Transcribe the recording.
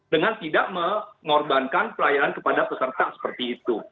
dengan tidak mengorbankan pelayanan kepada pelayanan